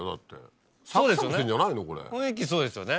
雰囲気そうですよね。